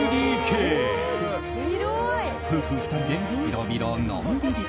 夫婦２人で、広々のんびり。